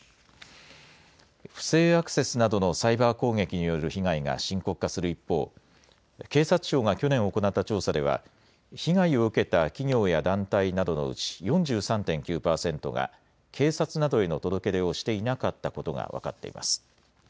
不正アクセスなどのサイバー攻撃による被害が深刻化する一方、警察庁が去年行った調査では被害を受けた企業や団体などのうち４３．９％が警察などへの届け出をしていなかったことが分かっています。